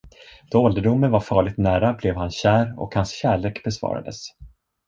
Då ålderdomen var farligt nära blev han kär och hans kärlek besvarades.